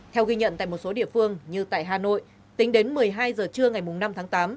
theo ghi nhận tại một số địa phương như tại hà nội tính đến một mươi hai h trưa ngày năm tháng tám